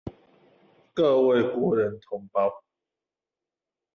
各位國人同胞